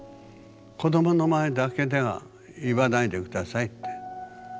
「子どもの前だけでは言わないでください」って。